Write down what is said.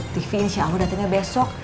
tv insya allah datangnya besok